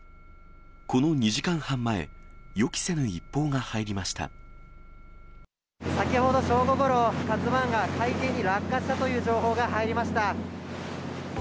この２時間半前、予期せぬ一報が先ほど正午ごろ、ＫＡＺＵＩが海底に落下したという情報が入りました。